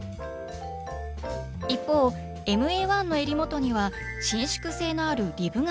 一方ＭＡ−１のえり元には伸縮性のあるリブが使われています。